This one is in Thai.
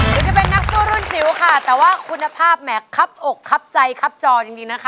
คุณจะเป็นนักสู้รุ่นจิ๋วค่ะแต่ว่าคุณภาพแหมครับอกคับใจครับจอจริงนะคะ